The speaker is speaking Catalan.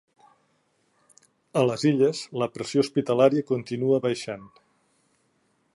A les Illes, la pressió hospitalària continua baixant.